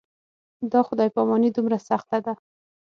دا خدای پاماني دومره سخته ده.